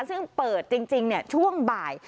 ซึ่งเปิดจริงช่วงบ่าย